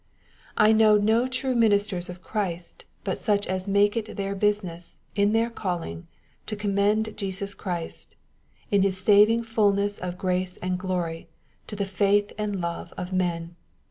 I know no true ministers of Christ but such as make it their business, in their calling, to commend Jesus CHirist^ in His saving fulness of grace and glory, to the faith and love of men.